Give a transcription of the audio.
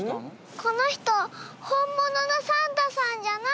この人本物のサンタさんじゃない。